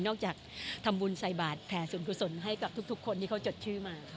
จากทำบุญใส่บาทแผ่ส่วนกุศลให้กับทุกคนที่เขาจดชื่อมาค่ะ